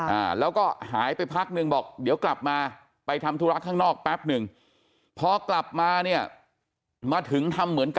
พอเห็นมีดเนี่ยทหารอภิเชษก็ทำเป็นว่า